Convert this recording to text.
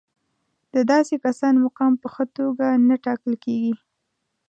د داسې کسانو مقام په ښه توګه نه ټاکل کېږي.